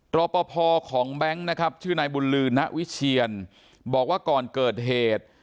รอปภของแบงค์นะครับชื่อนายบุญลือณวิเชียนบอกว่าก่อนเกิดเหตุ